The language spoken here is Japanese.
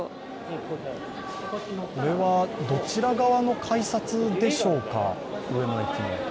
これはどちら側の改札でしょうか？